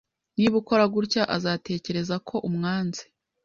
Niba ukora gutya, azatekereza ko umwanze.